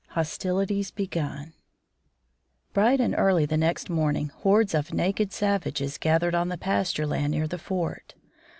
HOSTILITIES BEGUN Bright and early the next morning hordes of naked savages gathered on the pasture land near the fort.